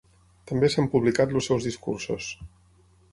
També s'han publicat els seus discursos.